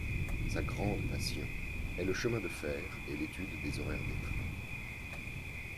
Sa grande passion est le chemin de fer et l'étude des horaires des trains.